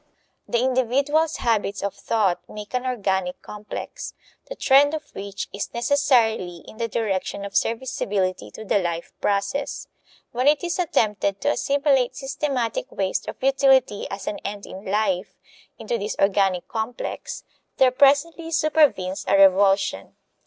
The individual's habits of thought make an organic complex, the trend of which is necessarily in the direction of serviceability to the life process. When it is attempted to assimilate systematic waste or futility, as an end in life, into this organic complex, there presently supervenes a revulsion.